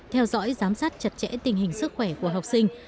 theo dõi giám sát chặt chẽ tình hình sức khỏe của học sinh